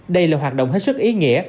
đây là hoạt động hết sức ý nghĩa